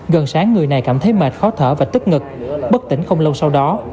gần sáng người này cảm thấy mệt khó thở và tức ngực bất tỉnh không lâu sau đó